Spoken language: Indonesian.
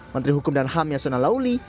menteri hukum dan ham yasona lauli